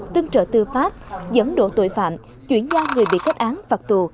tương trợ tư pháp dẫn độ tội phạm chuyển ra người bị kết án phạt tù